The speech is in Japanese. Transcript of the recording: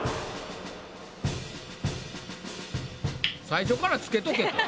最初から着けとけって。